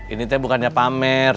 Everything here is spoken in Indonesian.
ini saya bukannya pamer